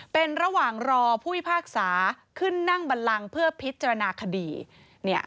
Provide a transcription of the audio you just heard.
เป็นระหว่างรอผู้พิพากษาขึ้นนั่งบันลังเพื่อพิจารณาคดีเนี่ย